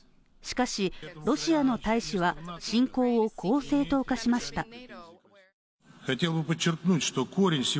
しかし、ロシアの大使は侵攻をこう正当化しました。